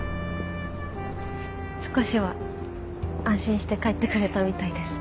少しは安心して帰ってくれたみたいです。